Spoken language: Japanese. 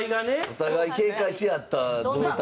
お互い警戒し合った状態で。